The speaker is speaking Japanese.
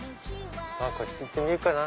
こっち行ってみようかな。